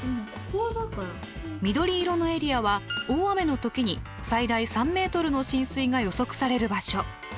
緑色のエリアは大雨の時に最大３ｍの浸水が予測される場所。